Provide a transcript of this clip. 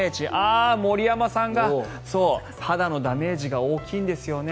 あっ、森山さんが肌のダメージが大きいんですよね。